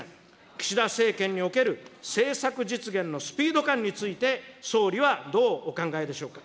岸田政権における政策実現のスピード感について、総理はどうお考えでしょうか。